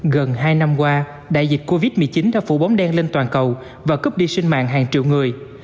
gần hai năm qua đại dịch covid một mươi chín đã phủ bóng đen lên toàn cầu và cướp đi sinh mạng hàng triệu người